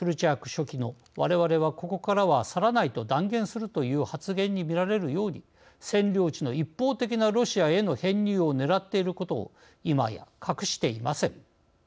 書記のわれわれはここからは去らないと断言するという発言にみられるように占領地の一方的なロシアへの編入をねらっていることを今や隠していません。